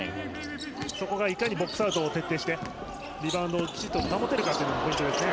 そこがいかにボックスアウトを徹底してリバウンドをきちんと保てるかもポイントですね。